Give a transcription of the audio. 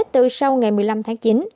từ sau ngày một mươi năm tháng chín